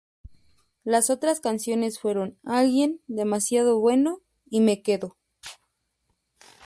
Las otras canciones fueron "Alguien", "Demasiado Bueno" y "Me Quedo".